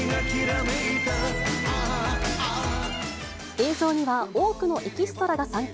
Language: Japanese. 映像には、多くのエキストラが参加。